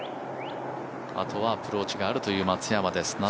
あとはアプローチがあるという松山です。